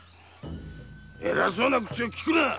えらそうな口をきくな！